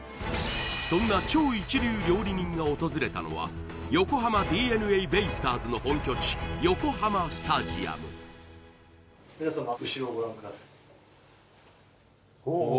そんな超一流料理人が訪れたのは横浜ＤｅＮＡベイスターズの本拠地皆様